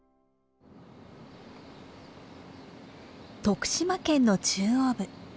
徳島県の中央部。